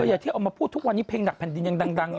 อย่างที่เอามาพูดทุกวันนี้เพลงหนักแผ่นดินยังดังเลย